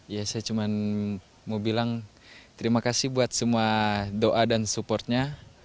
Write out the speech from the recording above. ya saya cuma mau bilang terima kasih buat semua doa dan supportnya